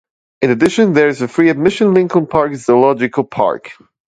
In addition, there is the free admission Lincoln Park zoological park.